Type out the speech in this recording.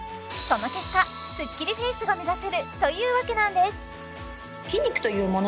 その結果スッキリフェイスが目指せるというわけなんです